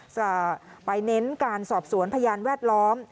จะไปเน้นการสอบสวนพยานแวดล้อม